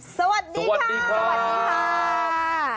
สวัสดีครับสวัสดีครับ